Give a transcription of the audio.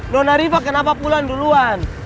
dona riva kenapa pulang duluan